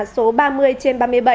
số ba mươi trên ba mươi bảy